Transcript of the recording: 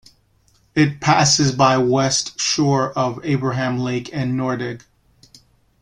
It passes by west shore of Abraham Lake and Nordegg.